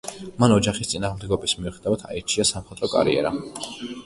მან ოჯახის წინააღმდეგობის მიუხედავად აირჩია სამხატვრო კარიერა.